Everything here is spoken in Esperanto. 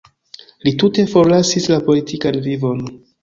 Li tute forlasis la politikan vivon.